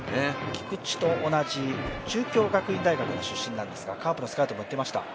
菊池と同じ中京学院大学の出身なんですが、カープのスカウトも言ってました。